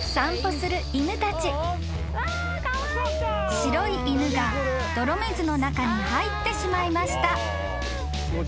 ［白い犬が泥水の中に入ってしまいました］